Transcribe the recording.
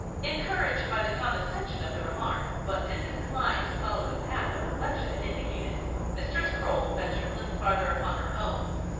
Encouraged by the condescension of the remark, but disinclined to follow the path of reflection it indicated, Mistress Croale ventured a little farther upon her own.